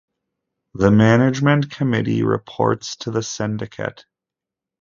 The Management Committee reports to the Syndicate.